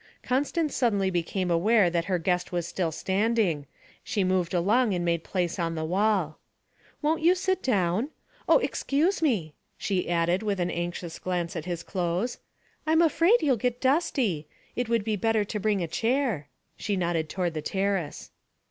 Constance suddenly became aware that her guest was still standing; she moved along and made place on the wall. 'Won't you sit down? Oh, excuse me,' she added with an anxious glance at his clothes, 'I'm afraid you'll get dusty; it would be better to bring a chair.' She nodded toward the terrace.